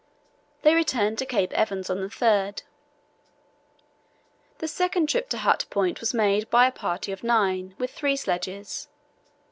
They returned to Cape Evans on the 3rd. The second trip to Hut Point was made by a party of nine, with three sledges.